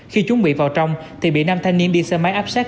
khi chúng bị vào trong thì bị nam thanh niên đi xe máy áp sát